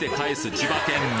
千葉県民。